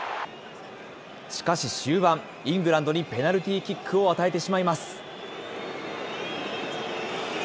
しかし終盤、イングランドにペナルティーキックを与えてしまいます。